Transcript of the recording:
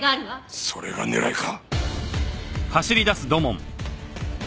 それが狙いか！